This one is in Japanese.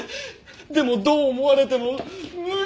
でもどう思われても無理なんだって！